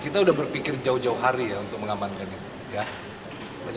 kita sudah berpikir jauh jauh hari ya untuk mengamankan itu